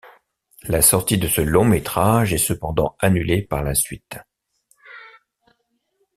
La sortie de ce long métrage est cependant annulée par la suite.